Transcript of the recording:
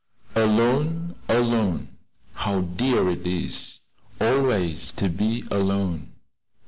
"Alone! alone! how drear it is Always to be alone!"